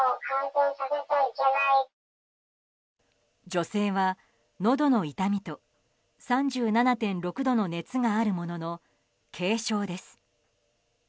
女性は、のどの痛みと３７．６度の熱があるものの軽症です。